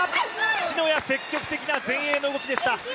篠谷積極的な前衛の動きでした。